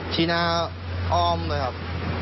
ที่หน้าอ้อมเลยครับ